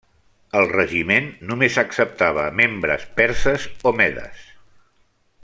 El regiment només acceptava a membres perses o Medes.